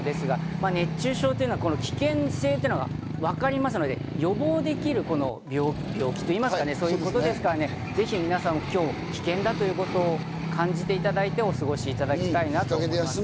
熱中症というのは危険性というのがわかりますので、予防できる病気と言いますか、そういうことですから、ぜひ皆さん、今日も危険だということを感じていただいてお過ごしいただきたいなと思います。